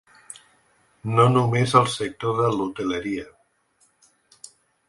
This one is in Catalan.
No només el sector de l’hoteleria.